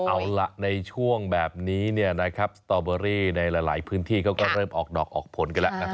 เอาล่ะในช่วงแบบนี้สตอเบอรี่ในหลายพื้นที่เขาก็เริ่มออกดอกออกผลกันแล้วนะครับ